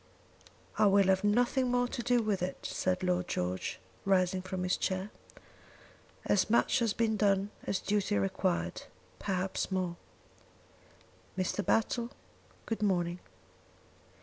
"I will have nothing more to do with it," said Lord George, rising from his chair. "As much has been done as duty required; perhaps more. Mr. Battle, good morning.